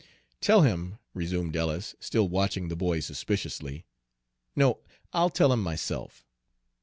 "Tell him," resumed Ellis, still watching the boy suspiciously, "no, I'll tell him myself."